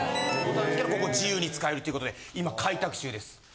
・へぇ・ここ自由に使えるっていう事で今開拓中です。